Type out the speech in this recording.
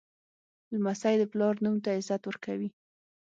لمسی د پلار نوم ته عزت ورکوي.